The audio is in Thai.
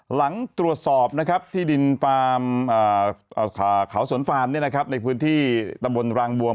หลังตรวจสอบที่ดินคาวสนฟานในพื้นที่ตำบลรางบวง